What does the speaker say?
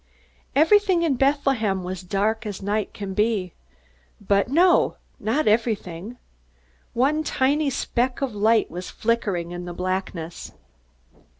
Everything in Bethlehem was dark as night can be. But no not everything. One tiny speck of light was flickering in the blackness.